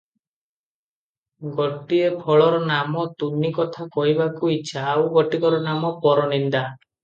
ଗୋଟିଏ ଫଳର ନାମ ତୁନି କଥା ଶୁଣିବାକୁ ଇଚ୍ଛା, ଆଉ ଗୋଟିକର ନାମ ପରନିନ୍ଦା ।